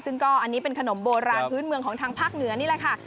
ซึ่งก็อันนี้เป็นขนมโบราณพื้นเมืองของทางภาคเหนือนี่แหละค่ะ